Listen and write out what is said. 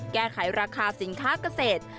แก้ไขราคาสินค้าเกษตร